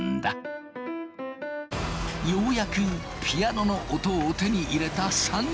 ようやくピアノの音を手に入れた３人。